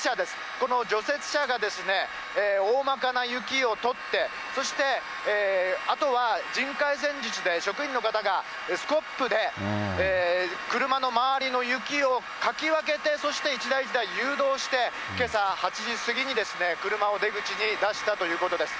この除雪車が大まかな雪を取って、そしてあとは人海戦術で職員の方がスコップで車の周りの雪をかき分けて、そして一台一台誘導して、けさ８時過ぎに車を出口に出したということです。